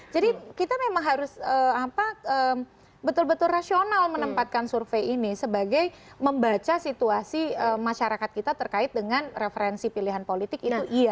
jadi kita memang harus betul betul rasional menempatkan survei ini sebagai membaca situasi masyarakat kita terkait dengan referensi pilihan politik itu iya